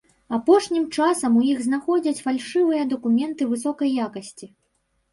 Апошнім часам у іх знаходзяць фальшывыя дакументы высокай якасці.